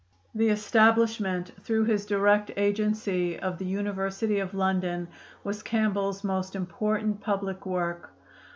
The establishment through his direct agency of the University of London was Campbell's most important public work.